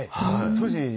当時。